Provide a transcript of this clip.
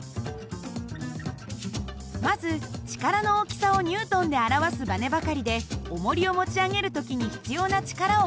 まず力の大きさをＮで表すばねばかりでおもりを持ち上げる時に必要な力を量ります。